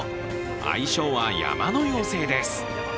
愛称は山の妖精です。